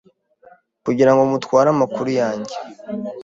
Kugira ngo mutware amakuru yanjye